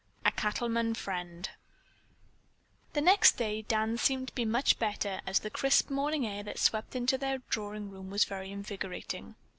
A CATTLE MAN FRIEND The next day Dan seemed to be much better as the crisp morning air that swept into their drawing room was very invigorating.